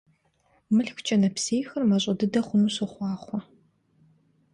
МылъкукӀэ нэпсейхэр мащӀэ дыдэ хъуну сохъуахъуэ!